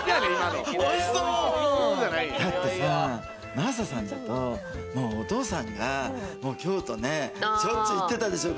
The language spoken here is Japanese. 真麻さんだと、お父さんが、京都ね、しょっちゅう行ってたでしょう？